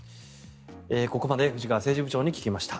ここまで藤川政治部長に聞きました。